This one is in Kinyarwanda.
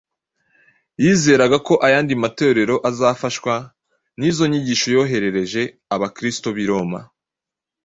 Yizeraga ko ayandi matorero azafashwa n’izo nyigisho yoherereje Abakristo b’i Roma.